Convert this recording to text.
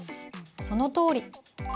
そのとおり。